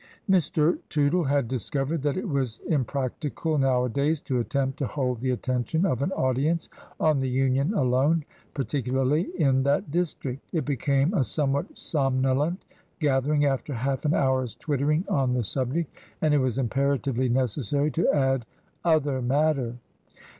Mr. Tootle had discovered that it was impractical nowadays to attempt to hold the attention of an audi ence on the Union alone — ^particularly in that district ; it became a somewhat somnolent gathering after half an hour's twittering on the subject ; and it was imperatively necessary to add other matter.